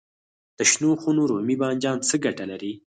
د شنو خونو رومي بانجان څه ګټه لري؟